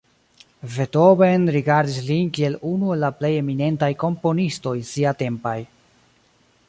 Beethoven rigardis lin kiel unu el la plej eminentaj komponistoj siatempaj.